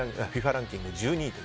ランキング１２位。